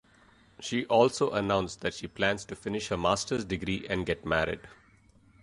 She also announced that she plans to finish her master's degree and get married.